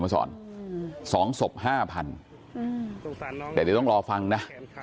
มาสอน๒ศพ๕๐๐แต่เดี๋ยวต้องรอฟังนะ